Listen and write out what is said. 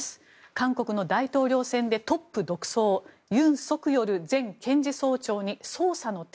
韓国の大統領選でトップ独走ユン・ソクヨル前検事総長に捜査の手